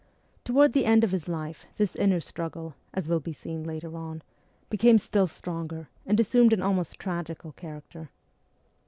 Towards the end of his life this inner struggle, as will be seen later on, became still stronger, and assumed an almost tragical character.